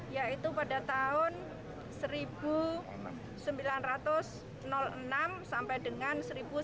yaitu pada tahun seribu sembilan ratus enam sampai dengan seribu sembilan ratus sembilan puluh